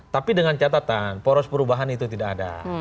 tapi dengan catatan poros perubahan itu tidak ada